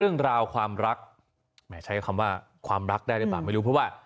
เรื่องราวความรักแหมใช้คำว่าความรักได้หรือเปล่าไม่รู้เพราะว่า